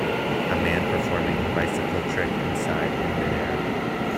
A man performing a bicycle trick inside in midair.